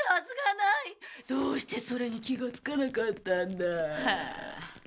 どうしてそれに気がつかなかったんだあ。